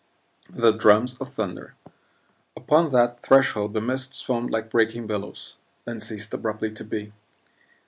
THE DRUMS OF THUNDER Upon that threshold the mists foamed like breaking billows, then ceased abruptly to be.